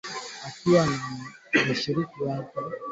Akiwa na mwakilishi maalum wa Umoja wa Mataifa, Volker Perthes